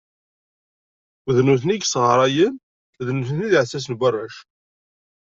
D nutni i yesɣarayen, d nutni i d iεessasen n warrac.